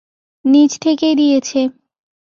নিজ থেকেই দিয়েছে।